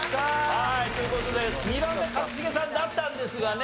はいという事で２番目一茂さんだったんですがね。